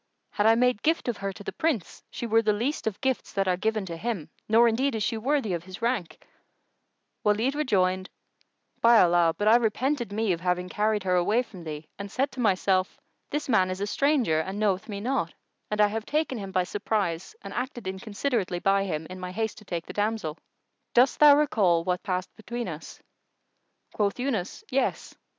Had I made gift of her to the Prince, she were the least of gifts that are given to him, nor indeed is she worthy of his rank," Walid rejoined, "By Allah, but I repented me of having carried her away from thee and said to myself:—This man is a stranger and knoweth me not, and I have taken him by surprise and acted inconsiderately by him, in my haste to take the damsel! Dost thou recall what passed between us?" Quoth Yunus, "Yes!"